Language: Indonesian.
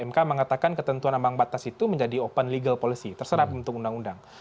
mk mengatakan ketentuan ambang batas itu menjadi open legal policy terserap untuk undang undang